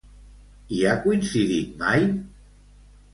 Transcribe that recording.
Hi ha coincidit mai?